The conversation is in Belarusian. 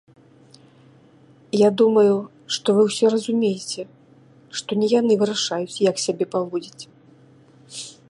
Я думаю, што вы ўсе разумееце, што не яны вырашаюць, як сябе паводзіць.